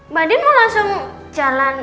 mbak andin mau langsung jalan